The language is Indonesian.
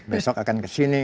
besok akan kesini